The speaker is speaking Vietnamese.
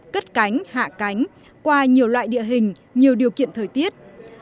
cất cánh hạ cánh qua nhiều loại địa hình nhiều điều kiện thời tiết